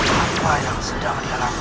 apa yang sedang dihalangi